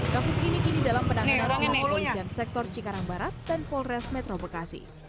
kasus ini kini dalam penanganan pihak kepolisian sektor cikarang barat dan polres metro bekasi